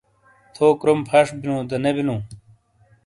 تھو کروم پھݜ بیلوں دا نے بلوں؟